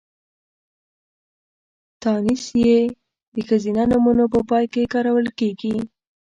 تانيث ۍ د ښځينه نومونو په پای کې کارول کېږي.